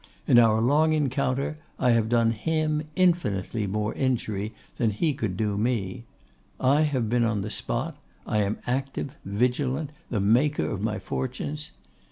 In our long encounter I have done him infinitely more injury than he could do me; I have been on the spot, I am active, vigilant, the maker of my fortunes.